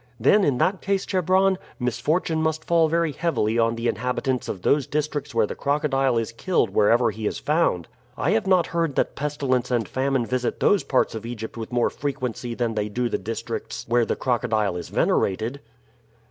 "Then in that case, Chebron, misfortune must fall very heavily on the inhabitants of those districts where the crocodile is killed wherever he is found. I have not heard that pestilence and famine visit those parts of Egypt with more frequency than they do the districts where the crocodile is venerated."